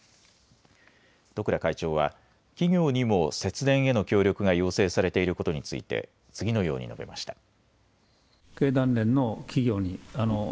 十倉会長は企業にも節電への協力が要請されていることについて次のように述べました。